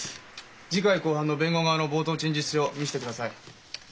次回公判の弁護側の冒頭陳述書見せてください。